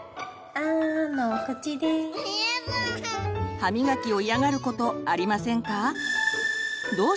歯みがきを嫌がることありませんか？